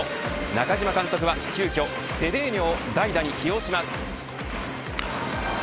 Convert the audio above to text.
中嶋監督は急きょセデーニョを代打に起用します。